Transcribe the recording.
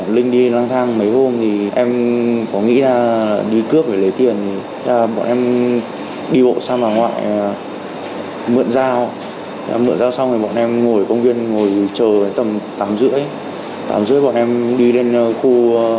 lúc đấy em còn thích thú